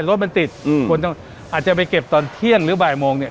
รถมันติดคนต้องอาจจะไปเก็บตอนเที่ยงหรือบ่ายโมงเนี่ย